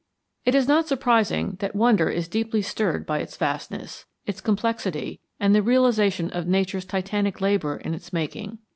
It is not surprising that wonder is deeply stirred by its vastness, its complexity, and the realization of Nature's titanic labor in its making.